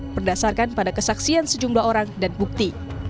berdasarkan pada kesaksian sejumlah orang dan bukti